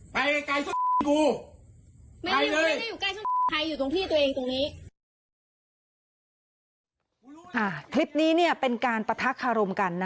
ประตูกูปิดไว้ดีมึงเป็นแล้วปิดค่าไว้อย่างนั้นล่ะ